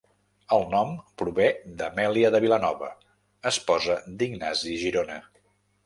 El nom prové d'Amèlia de Vilanova, esposa d'Ignasi Girona.